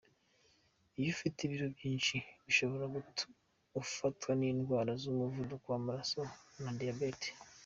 Iyo ufite ibiro byinshi bishobora gutuma ufatwan’indwara z’umuvuduko w’amaraso na diyabete.